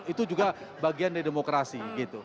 itu juga bagian dari demokrasi gitu